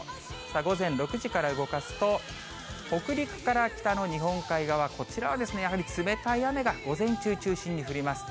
午前６時から動かすと、北陸から北の日本海側、こちらはやはり冷たい雨が午前中中心に降ります。